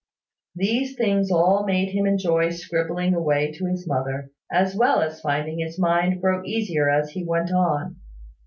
These things all made him enjoy scribbling away to his mother, as well as finding his mind grow easier as he went on.